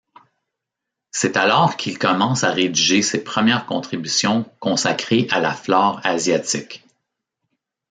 C'est alors qu'il commence à rédiger ses premières contributions consacrées à la flore asiatique.